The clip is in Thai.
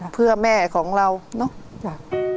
เพื่อแม่ของเราเนาะ